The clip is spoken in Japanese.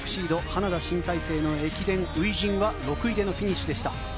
花田新体制の駅伝初陣は６位でのフィニッシュでした。